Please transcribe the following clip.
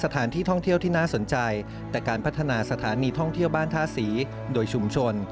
แต่การพัฒนาสถานีท่องเที่ยวบ้านท้าศรีโดยชุมชน